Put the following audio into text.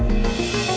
pak sumarno ini